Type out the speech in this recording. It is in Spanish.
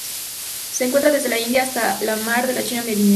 Se encuentra desde la India hasta el Mar de la China Meridional.